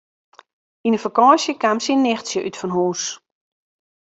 Yn de fakânsje kaam syn nichtsje útfanhûs.